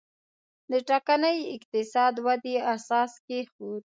د ټکنۍ اقتصادي ودې اساس کېښود.